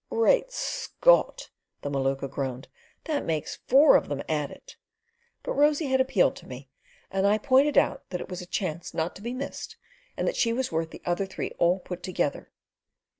"Great Scott!" the Maluka groaned, "that makes four of them at it!" But Rosy had appealed to me and I pointed out that it was a chance not to be missed and that she was worth the other three all put together.